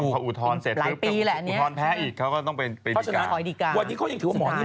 เขาต้องสู้ไป๓สารถูกมั้ย